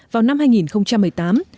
vào năm hai nghìn một mươi tám